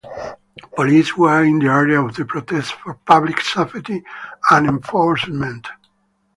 Police were in the area of the protest for public safety and enforcement.